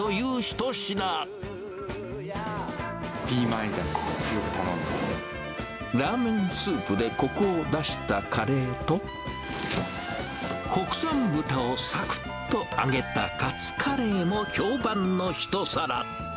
ピーマン炒め、よく頼んでまラーメンスープでこくを出したカレーと、国産豚をさくっと揚げたカツカレーも評判の一皿。